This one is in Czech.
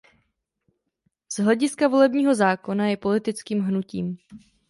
Z hlediska volebního zákona je politickým hnutím.